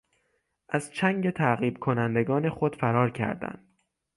از چنگ تعقیب کنندگان خود فرار کردن